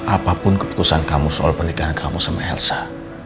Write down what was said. apapun keputusan kamu soal pernikahan kamu sama hersa